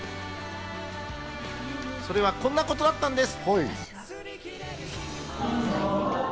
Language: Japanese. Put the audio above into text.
それはこんなことだったんです。